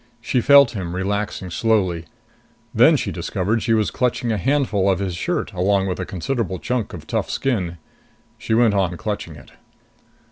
She felt him relaxing slowly. Then she discovered she was clutching a handful of his shirt along with a considerable chunk of tough skin. She went on clutching it.